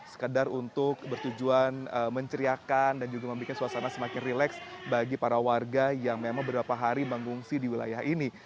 sekedar untuk bertujuan menceriakan dan juga membuat suasana semakin rileks bagi para warga yang memang beberapa hari mengungsi di wilayah ini